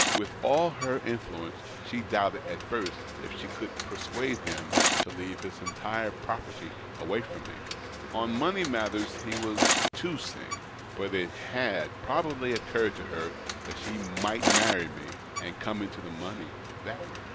With all her influence she doubted at first if she could persuade him to leave his entire property away from me. On money matters he was too sane. But it had probably occurred to her that she might marry me, and come into the money that way.